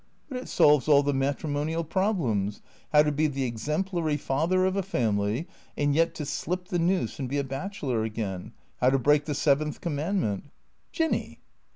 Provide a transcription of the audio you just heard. " But it solves all the matrimonial problems — how to be the exemplary father of a family and yet to slip the noose and be a bachelor again — how to break the seventh commandment "" Jinny